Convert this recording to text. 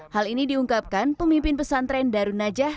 hal ini diungkapkan pemimpin pesantren darun najah